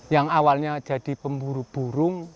yang awalnya jadi pemburu burung